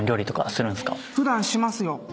普段しますよ。